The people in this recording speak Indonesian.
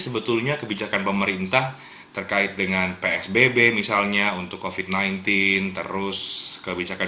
sebetulnya kebijakan pemerintah terkait dengan psbb misalnya untuk covid sembilan belas terus kebijakan